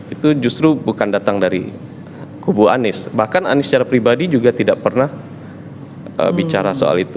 itu justru bukan datang dari kubu anies bahkan anies secara pribadi juga tidak pernah bicara soal itu